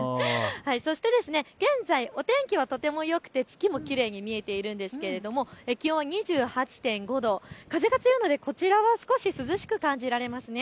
そして現在、お天気はとてもよくて月もきれいに見えているんですが気温２８．５度、風が強いのでこちらは少し涼しく感じられます。